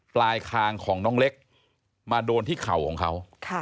ปลายคางของน้องเล็กมาโดนที่เข่าของเขา